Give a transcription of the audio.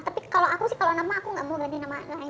tapi kalau aku sih kalau nama aku gak mau bagi nama lain